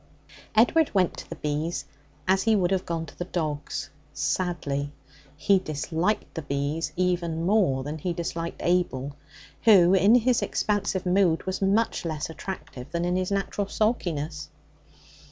Edward went to the bees as he would have gone to the dogs sadly. He disliked the bees even more than he disliked Abel, who in his expansive mood was much less attractive than in his natural sulkiness.